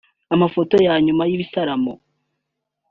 Amafoto ya nyuma y'ibitaramo